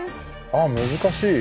あっ難しい。